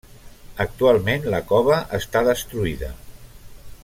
Actualment la cova està destruïda.